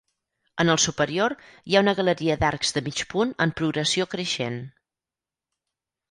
En el superior, hi ha una galeria d'arcs de mig punt en progressió creixent.